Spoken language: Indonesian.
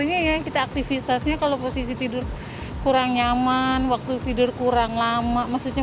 biasanya ya kita aktivitasnya kalau posisi tidur kurang nyaman waktu tidur kurang lama maksudnya